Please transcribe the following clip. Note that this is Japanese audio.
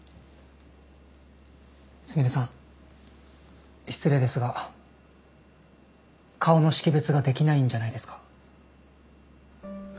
すみれさん失礼ですが顔の識別ができないんじゃないですか？